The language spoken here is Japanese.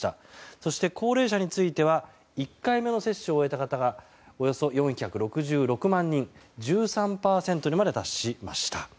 そして、高齢者については１回目の接種を終えた方がおよそ４６６万人１３％にまで達しました。